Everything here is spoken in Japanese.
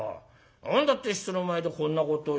何だって人の前でこんなことしや。